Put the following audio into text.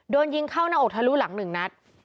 โดนยิงเข้าหน้าอกทะลุหลัง๑นัด